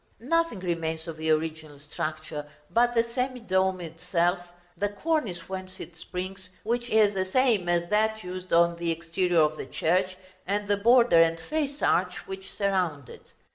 Nothing remains of the original structure but the semi dome itself, the cornice whence it springs, which is the same as that used on the exterior of the church, and the border and face arch which surround it.